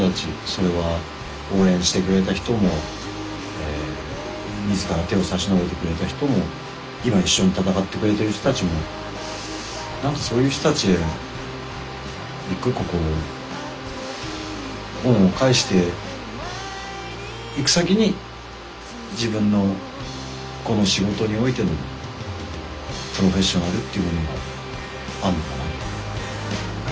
それは応援してくれた人も自ら手を差し伸べてくれた人も今一緒に闘ってくれている人たちもなんかそういう人たちへ一個一個こう恩を返していく先に自分のこの仕事においてのプロフェッショナルっていうものがあるのかな。